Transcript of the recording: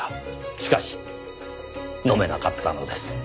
しかし飲めなかったのです。